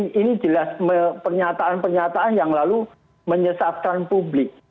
ini jelas pernyataan pernyataan yang lalu menyesatkan publik